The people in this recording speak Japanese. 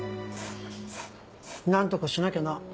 何とかしなきゃな。